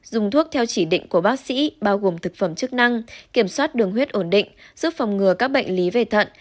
dùng thuốc theo chỉ định của bác sĩ bao gồm thực phẩm chức năng kiểm soát đường huyết ổn định giúp phòng ngừa các bệnh lý về thận